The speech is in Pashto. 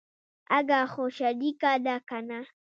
اگه خو شريکه ده کنه.